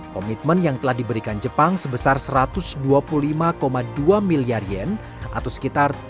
komitmen yang telah diberikan jepang sebesar satu ratus dua puluh lima dua miliar yen atau sekitar